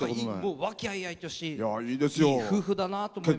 和気あいあいとしていい夫婦だなと思って。